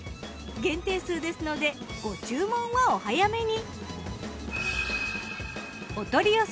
限定数ですのでご注文はお早めに。